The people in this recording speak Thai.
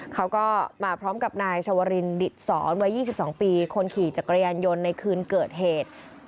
เขาก็มาพร้อมกับนายชวรินดิตสอนวัย๒๒ปีคนขี่จักรยานยนต์ในคืนเกิดเหตุ